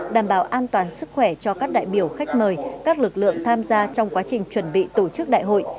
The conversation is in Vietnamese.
đảm bảo an toàn sức khỏe cho các đại biểu khách mời các lực lượng tham gia trong quá trình chuẩn bị tổ chức đại hội